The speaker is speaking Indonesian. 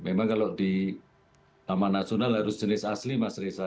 memang kalau di taman nasional harus jenis asli mas resa